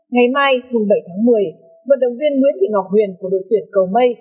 ngày mai bảy tháng một mươi vận động viên nguyễn thị ngọc huyền của đội tuyển cầu mây